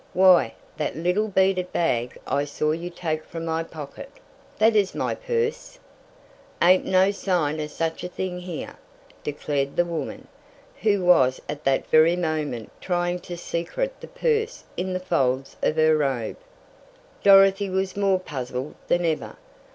"Why, that little beaded bag I saw you take from my pocket; that is my purse!" "Ain't no sign of sech a thing here," declared the woman, who was at that very moment trying to secret the purse in the folds of her robe. Dorothy was more puzzled than ever.